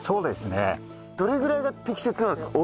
どれぐらいが適切なんですか？